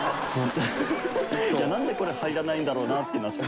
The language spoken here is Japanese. なんでこれ、入らないんだろうなって。